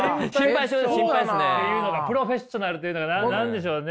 心配性っていうのかプロフェッショナルっていうのか何でしょうね？